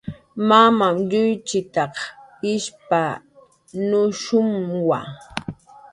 Mamam yuychitaq ishpanushumwa